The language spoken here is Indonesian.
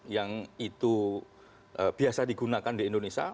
yang itu biasa digunakan di indonesia